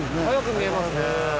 速く見えますね。